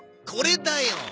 これだよ！